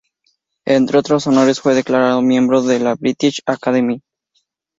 Entre otros honores, fue declarado miembro de la British Academy.